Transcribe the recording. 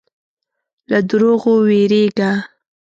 له دروغو وېرېږه.